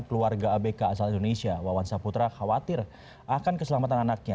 keluarga abk asal indonesia wawan saputra khawatir akan keselamatan anaknya